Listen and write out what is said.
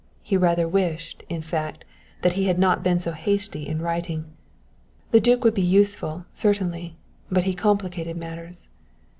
He rather wished, in fact, that he had not been so hasty in writing. The duke would be useful certainly, but he complicated matters.